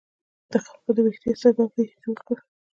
د خلکو د ویښتیا سبب یې جوړ کړو.